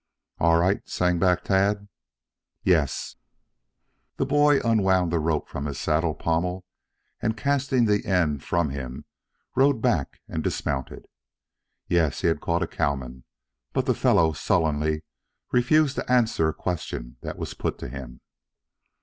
"All right?" sang back Tad. "Yes." The boy unwound the rope from his saddle pommel and casting the end from him, rode back and dismounted. Yes, he had caught a cowman, but the fellow sullenly refused to answer a question that was put to him.